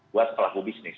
buat pelaku bisnis